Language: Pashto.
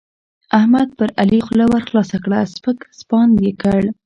احمد پر علي خوله ورخلاصه کړه؛ سپک سپاند يې کړ.